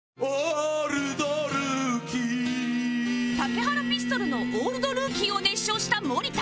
竹原ピストルの『オールドルーキー』を熱唱した森田